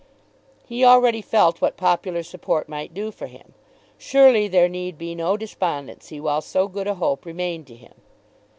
He already felt what popular support might do for him. Surely there need be no despondency while so good a hope remained to him!